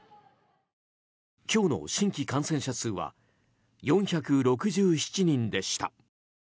今日の新規感染者数は４６７人でした。